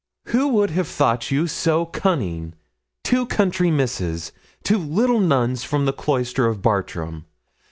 'Who would have thought you so cunning? Two country misses two little nuns from the cloisters of Bartram!